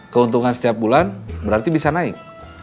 keuntungan setiap bulan berarti bisa naik